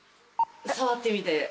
触ってみてぜひ。